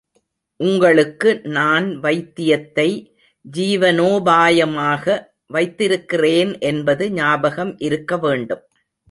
உங்களுக்கு, நான் வைத்தியத்தை ஜீவனோபாயமாக வைத்திருக்கிறேன் என்பது ஞாபகம் இருக்க வேண்டும்.